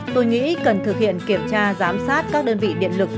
tôi nghĩ cần thực hiện kiểm tra giám sát các đơn vị điện lực